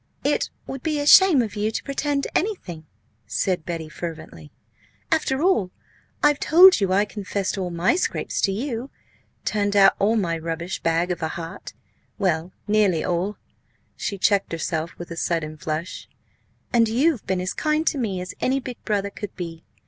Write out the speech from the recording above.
"It would be a shame of you to pretend anything," said Betty, fervently, "after all I've told you! I confessed all my scrapes to you, turned out all my rubbish bag of a heart well, nearly all" she checked herself with a sudden flush "And you've been as kind to me as any big brother could be.